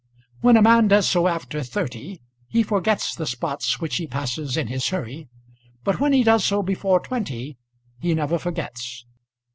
When a man does so after thirty he forgets the spots which he passes in his hurry, but when he does so before twenty he never forgets.